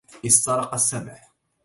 استرق السمع